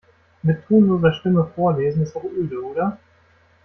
Mit tonloser Stimme vorlesen ist doch öde, oder?